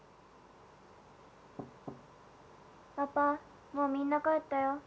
パパもうみんな帰ったよ。